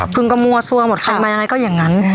พึ่งกระมั่วซัวร์หมดคันมายังไงก็อย่างนั้น